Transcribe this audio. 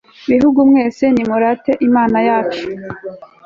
bihugu mwese, nimurate imana yacu